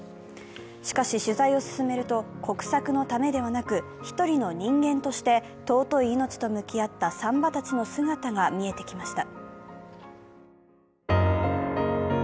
しかし、取材を進めると国策のためではなく１人の人間として尊い命と向き合った産婆たちの姿が見えてきました。